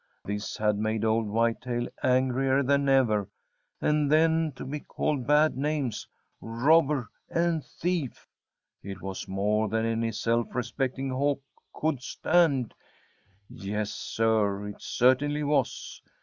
This had made old Whitetail angrier than ever, and then to be called bad names robber and thief! It was more than any self respecting Hawk could stand. Yes, Sir, it certainly was!